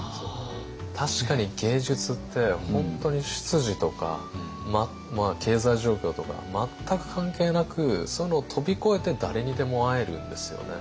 確かに芸術って本当に出自とか経済状況とか全く関係なくそういうのを飛び越えて誰にでも会えるんですよね。